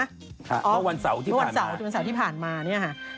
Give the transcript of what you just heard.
ค่ะเมื่อวันเสาร์ที่ผ่านมาอ๋อเมื่อวันเสาร์ที่ผ่านมานี่ครับ